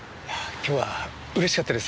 今日は楽しかったです。